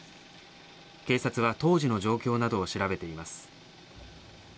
警察は当時の状況などを調べています。